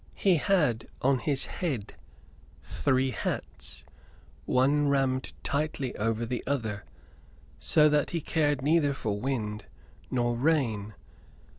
He had on his head three hats, one rammed tightly over the other, so that he cared neither for wind nor rain.